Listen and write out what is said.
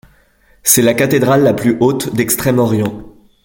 C'est la cathédrale la plus haute d'Extrême-Orient.